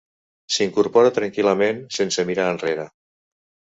S'incorpora tranquil.lament, sense mirar enrere.